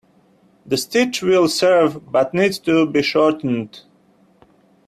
The stitch will serve but needs to be shortened.